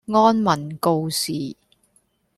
安民告示